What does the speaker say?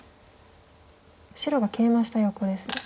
白がケイマした横ですね。